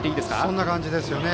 そんな感じですね。